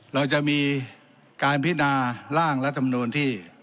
เราจะมีการพินาร่างรัฐมนูลที่